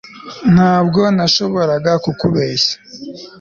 Ntabwo nashoboraga kukubeshya